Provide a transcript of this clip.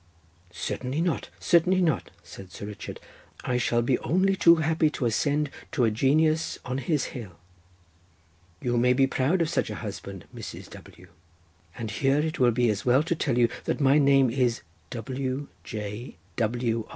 'Certainly not; certainly not,' said Sir Richard. 'I shall be only too happy to ascend to a genius on his hill. You may be proud of such a husband, Mrs. W.' And here it will be as well to tell you that my name is W—, J. W.